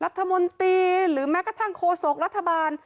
รัฐมนตรีหรือแม้กระทั่งโฆษกรัฐบาล